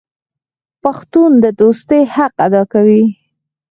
پښتون د دوستۍ حق ادا کوي.